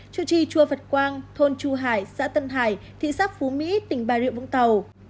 chủ trì chùa phật quang thôn chù hải xã tân hải thị sáp phú mỹ tỉnh ba rượu vũng tàu